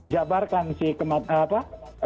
jabarkan si kematian apa